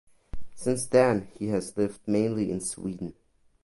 Since then he has lived mainly in Sweden.